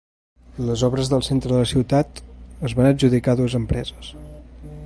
Les obres del centre de la ciutat es van adjudicar a dues empreses.